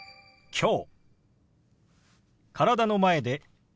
「きょう」。